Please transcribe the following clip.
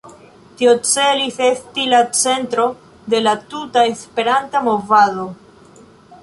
Tio celis esti la centro de la tuta Esperanta movado.